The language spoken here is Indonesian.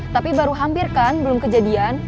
tapi baru hampir kan belum kejadian